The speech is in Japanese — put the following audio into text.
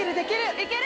いける！